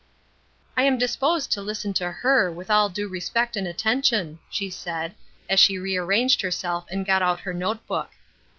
"I'm disposed to listen to her with all due respect and attention," she said, as she rearranged herself and got out her note book.